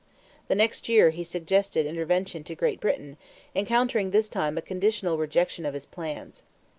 The next year he suggested intervention to Great Britain, encountering this time a conditional rejection of his plans.